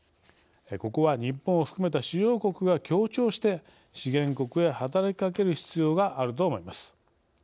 ここは日本を含めた主要国が協調して資源国へ働きかける必要があると思います。